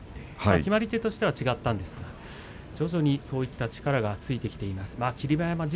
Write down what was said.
決まり手としては違ったんですが徐々にそういった力がついてきている霧馬山です。